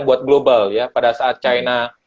buat global ya pada saat china